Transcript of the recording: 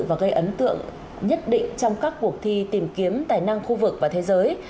và gây ấn tượng nhất định trong các cuộc thi tìm kiếm tài năng khu vực và thế giới